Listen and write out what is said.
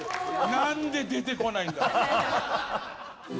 なんで出てこないんだろう。